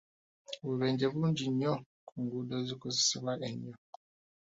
Obubenje bungi nnyo ku nguudo ezikozesebwa ennyo .